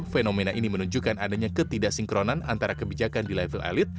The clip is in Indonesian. fenomena ini menunjukkan adanya ketidaksinkronan antara kebijakan di level elit